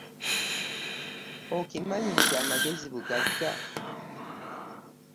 Okimanyi nti amagezi buggaga.